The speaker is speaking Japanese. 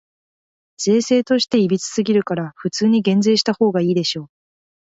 税制として歪すぎるから、普通に減税したほうがいいでしょ。